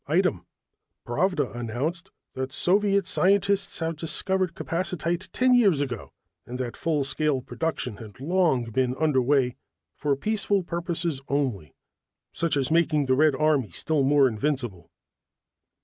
Item: Pravda announced that Soviet scientists had discovered capacitite ten years ago and that full scale production had long been under way for peaceful purposes only, such as making the Red Army still more invincible.